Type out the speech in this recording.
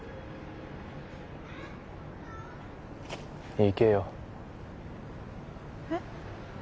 行けよえっ？